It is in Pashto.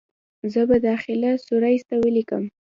زه به داخله سرويس ته وليکم.